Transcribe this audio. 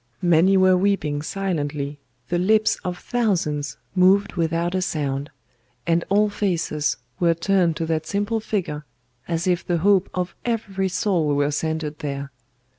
Many were weeping silently, the lips of thousands moved without a sound, and all faces were turned to that simple figure, as if the hope of every soul were centred there.